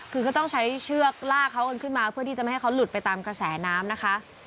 คือก็ต้องใช้เชือกลากเขากันขึ้นมาเพื่อที่จะไม่ให้เขาหลุดไปตามกระแสน้ำนะคะ